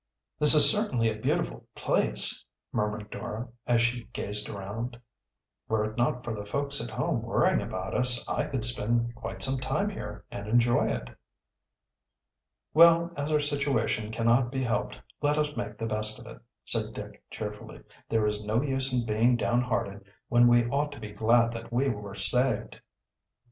"This is certainly a beautiful place," murmured Dora, as she gazed around. "Were it not for the folks at home worrying about us, I could spend quite some time here and enjoy it." "Well, as our situation cannot be helped, let us make the best of it," said Dick cheerfully. "There is no use in being downhearted when we ought to be glad that we were saved."